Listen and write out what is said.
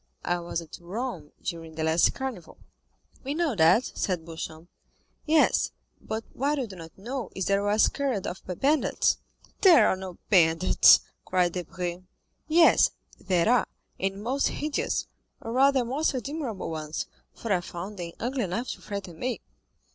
"I was at Rome during the last Carnival." "We know that," said Beauchamp. "Yes, but what you do not know is that I was carried off by bandits." "There are no bandits," cried Debray. "Yes there are, and most hideous, or rather most admirable ones, for I found them ugly enough to frighten me."